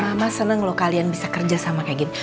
mama senang loh kalian bisa kerja sama kayak gini